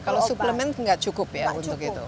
kalau suplemen nggak cukup ya untuk itu